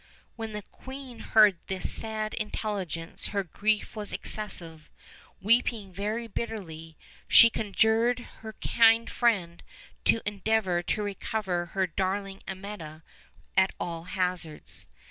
When the queen heard this sad intelligence her grief was excessive: weeping very bitterly, she conjured her kind friend to endeavor to recover her darling Amietta at all hazards.